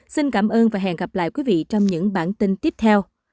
xin cảm ơn và hẹn gặp lại quý vị trong các bài hát tiếp theo